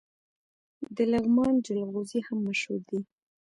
د لغمان جلغوزي هم مشهور دي.